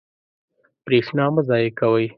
برېښنا مه ضایع کوئ.